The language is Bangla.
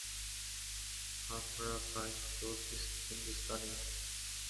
আমরা বাইঞ্চোদ হিন্দুস্তানিই।